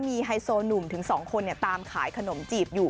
มีไฮโซ่หนุ่มถึงสองคนเนี่ยตามขายขนมจีบอยู่